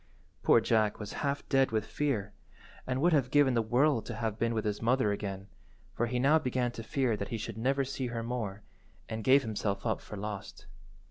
Poor Jack was half dead with fear, and would have given the world to have been with his mother again, for he now began to fear that he should never see her more, and gave himself up for lost.